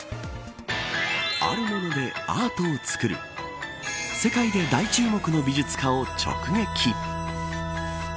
あるものでアートを作る世界で大注目の美術家を直撃。